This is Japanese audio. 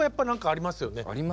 ありますよね。